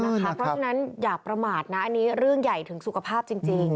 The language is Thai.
เพราะฉะนั้นอย่าประมาทนะอันนี้เรื่องใหญ่ถึงสุขภาพจริง